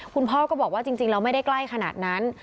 คุณพ่อก็บอกว่าจริงแล้วไม่ได้ใกล้ขนาดนั้น